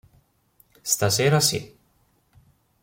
Stasera sì.